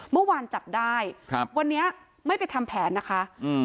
เมื่อวานจับได้ครับวันนี้ไม่ไปทำแผนนะคะอืม